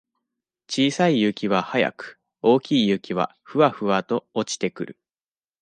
小さい雪は早く、大きい雪は、ふわふわと落ちてくる。